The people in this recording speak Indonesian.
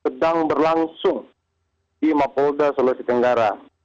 sedang berlangsung di mapolda sulawesi tenggara